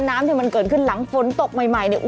น้ำที่มันเกิดขึ้นหลังฝนตกใหม่เนี่ย